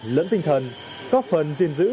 lẫn tinh thần có phần diện giữ